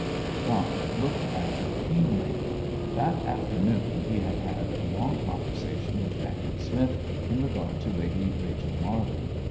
John looked at her keenly. That afternoon he had had a long conversation with Dacent Smith in regard to Lady Rachel Marvin.